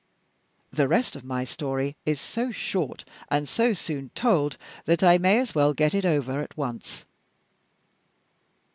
The rest of my story is so short and so soon told that I may as well get it over at once.